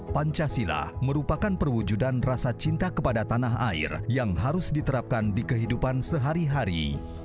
pancasila merupakan perwujudan rasa cinta kepada tanah air yang harus diterapkan di kehidupan sehari hari